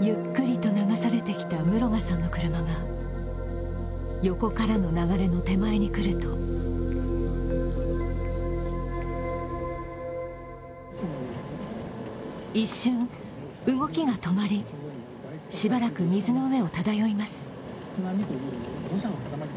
ゆっくりと流されてきた室賀さんの車が横からの流れの手前に来ると一瞬、動きが止まりしばらく水の上を漂います。